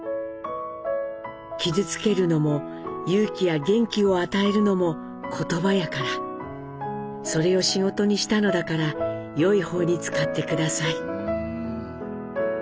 「傷つけるのも勇気や元気を与えるのも言葉やからそれを仕事にしたのだから良い方に使って下さい」。